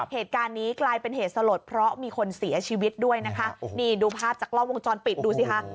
เหตุการณ์นี้กลายเป็นเหตุสลดเพราะมีคนเสียชีวิตด้วยนะคะนี่ดูภาพจากกล้องวงจรปิดดูสิคะ